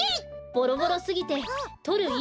ボロボロすぎてとるい